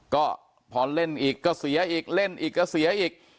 ก็พอเล่นอีกก็เสียอีกเล่นอีกก็เสียอีก